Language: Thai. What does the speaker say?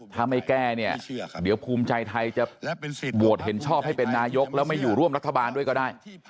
ถ้าไม่แก้เนี่ยเดี๋ยวภูมิใจไทยจะโหวตเห็นชอบให้เป็นนายกแล้วไม่อยู่ร่วมรัฐบาลด้วยก็ได้